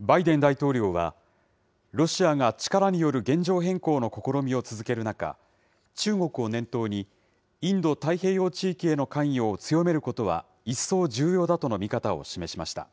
バイデン大統領は、ロシアが力による現状変更の試みを続ける中、中国を念頭に、インド太平洋地域への関与を強めることは、一層重要だとの見方を示しました。